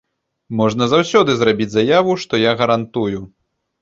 Можна заўсёды зрабіць заяву, што я гарантую.